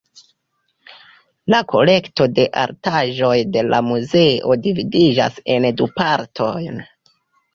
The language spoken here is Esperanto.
La kolekto de artaĵoj de la muzeo dividiĝas en du partojn.